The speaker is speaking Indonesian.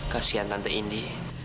kasian tante indi